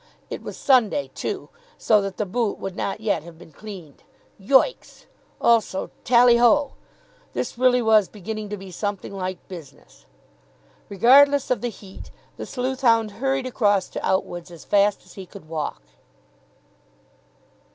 It was Sunday, too, so that the boot would not yet have been cleaned. Yoicks! Also Tally ho! This really was beginning to be something like business. Regardless of the heat, the sleuth hound hurried across to Outwood's as fast as he could walk.